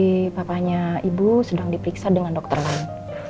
si papanya ibu sedang diperiksa dengan dokter lain